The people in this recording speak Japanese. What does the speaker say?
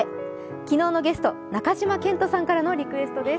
昨日のゲスト・中島健人さんからのリクエストです。